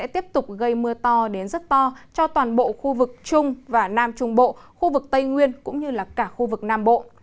tiếp tục gây mưa to đến rất to cho toàn bộ khu vực trung và nam trung bộ khu vực tây nguyên cũng như là cả khu vực nam bộ